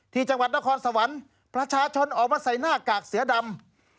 ที่จังหวัดนครสวรรค์ประชาชนออกมาใส่หน้ากากเสือดำ